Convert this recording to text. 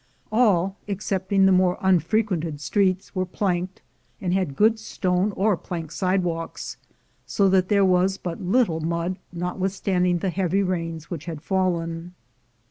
All, excepting the more unfrequented streets, were planked, and had good stone or plank sidewalks, so that there was but little mud notwithstanding the heavy rains which had fallen.